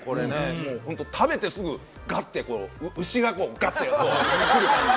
もう本当、食べてすぐ、がって、牛ががって、こう、来る感じ。